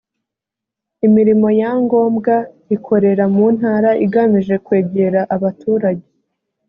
imirimo ya ngombwa ikorera mu ntara igamije kwegera abaturage